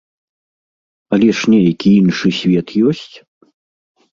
Але ж нейкі іншы свет ёсць!